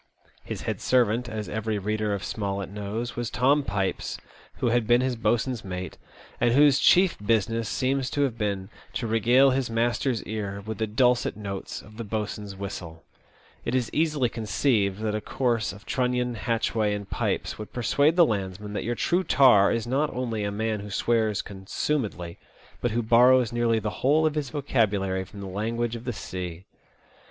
His head servant, as every reader of Smollett knows, was Tom Pipes, who had been his boatswain's mate, and whose chief business seems to have been to regale his master's ear ^th the dulcet notes of the boatswain's whistle. It is easily conceived that a course of Trunnion, Hatchway, and Pipes, would persuade the landsman that your true tar is not only a man who swears consumedly, but who borrows nearly the whole of his vocabulary from the language of the sea.